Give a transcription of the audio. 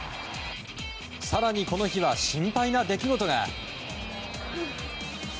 更に、この日は心配な出来事が。